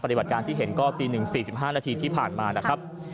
ปฏิบัติการที่เห็นก็ตี๑๔๕นาทีที่ผ่านมานะครับ